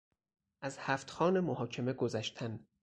از هفت خوان محاکمه گذشتن